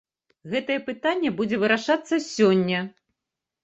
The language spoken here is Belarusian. Гэтае пытанне будзе вырашацца сёння.